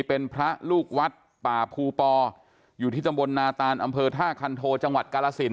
เป็นพระลูกวัดป่าภูปออยู่ที่ตำบลนาตานอำเภอท่าคันโทจังหวัดกาลสิน